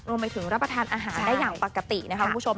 รวมไปถึงรับประทานอาหารได้อย่างปกตินะคะคุณผู้ชม